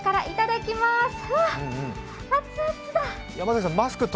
いただきます。